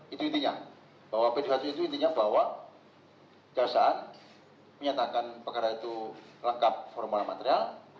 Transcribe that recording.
itu intinya bahwa p dua puluh itu intinya bahwa jaksaan menyatakan perkara itu lengkap formula material